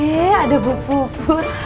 heee ada bu puput